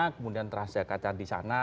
kemudian transjakarta di sana